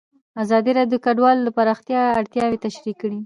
ازادي راډیو د کډوال د پراختیا اړتیاوې تشریح کړي.